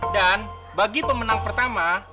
dan bagi pemenang pertama